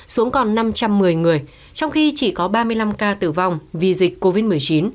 xuống còn năm trăm một mươi người trong khi chỉ có ba mươi năm ca tử vong vì dịch covid một mươi chín